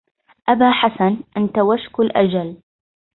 أبا حسن أنت وشك الأجل